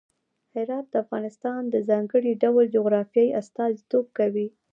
هرات د افغانستان د ځانګړي ډول جغرافیه استازیتوب کوي.